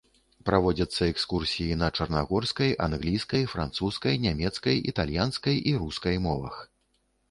Праводзяцца экскурсіі на чарнагорскай, англійскай, французскай, нямецкай, італьянскай і рускай мовах.